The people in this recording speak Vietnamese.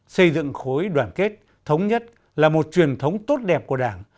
xây dựng khối đoàn kết thống nhất là một truyền thống tốt đẹp của đảng